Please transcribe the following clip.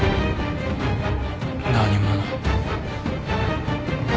何者？